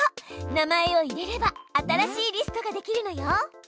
名前を入れれば新しいリストができるのよ。